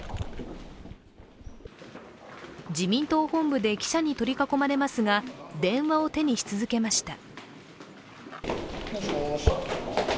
自民党本部で記者に取り囲まれますが電話を手にし続けました。